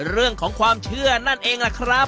เรื่องของความเชื่อนั่นเองล่ะครับ